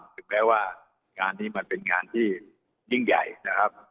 ถึงแม้ว่างานนี้มันเป็นงานที่ยิ่งใหญ่นะครับ